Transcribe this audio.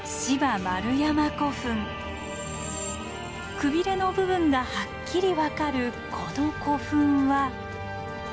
くびれの部分がはっきり分かるこの古墳は。